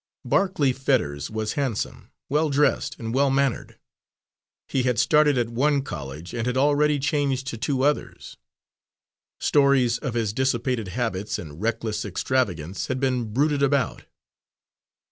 Barclay Fetters was handsome, well dressed and well mannered. He had started at one college, and had already changed to two others. Stories of his dissipated habits and reckless extravagance had been bruited about.